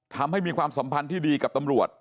ทำให้มีความสัมพันธ์ที่ดีกับตำรวจ